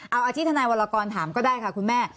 เอาที่ทนายวรกรถามก็ได้ค่ะคุณแม่